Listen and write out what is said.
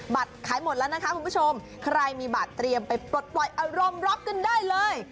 บัตรขายหมดแล้วนะคะคุณผู้ชมใครมีบัตรเตรียมไปปลดปล่อยอารมณ์รับกันได้เลย